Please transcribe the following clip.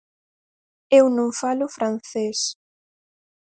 Eu non falo francés.